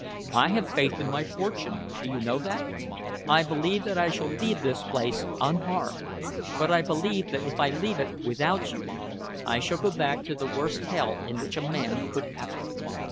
I have faith in my fortune, do you know that? I believe that I shall leave this place unharmed, but I believe that if I leave it without you, I shall go back to the worst hell in which a man could ever..."